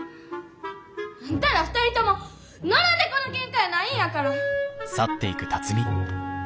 あんたら２人とも野良猫のケンカやないんやから！